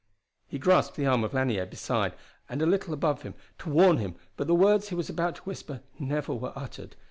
He grasped the arm of Lanier, beside and a little above him, to warn him, but the words he was about to whisper never were uttered.